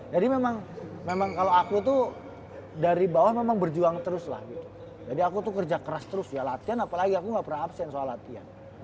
jadi memang kalau aku tuh dari bawah memang berjuang terus lah gitu jadi aku tuh kerja keras terus ya latihan apalagi aku gak pernah absen soal latihan